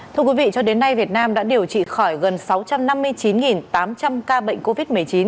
thưa quý vị cho đến nay việt nam đã điều trị khỏi gần sáu trăm năm mươi chín tám trăm linh ca bệnh covid một mươi chín